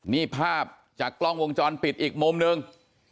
นี่ภาพจากกล้องวงจรปิดอีกมุมหนึ่ง